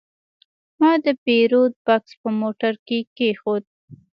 ما د پیرود بکس په موټر کې کېښود.